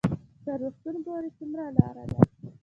تر روغتون پورې څومره لار ده؟